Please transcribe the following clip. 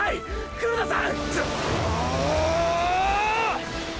黒田さん。